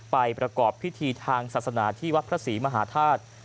ประกอบพิธีทางศาสนาที่วัดพระศรีมหาธาตุ